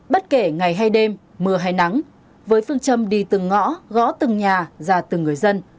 bất kể ngày hay đêm mưa hay nắng với phương châm đi từng ngõ gõ từng nhà ra từng người dân